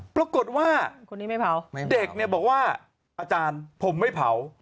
ปรากฏว่าเด็กเนี่ยบอกว่าอาจารย์ผมไม่เผา